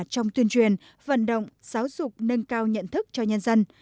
trong tuyên truyền vận động giáo dục nâng cao nhận thức cho nhân dân